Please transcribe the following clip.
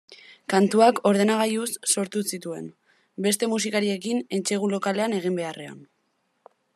Kantuak ordenagailuz sortu zituen, beste musikariekin entsegu lokalean egin beharrean.